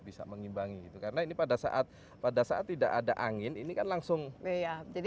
bisa mengimbangi itu karena ini pada saat pada saat tidak ada angin ini kan langsung jadi